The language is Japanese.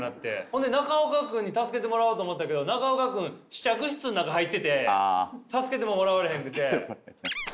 ほんで中岡君に助けてもらおうと思ったけど中岡君試着室の中入ってて助けてももらわれへんくて。